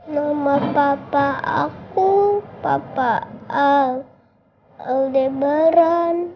nama papa aku papa aldebaran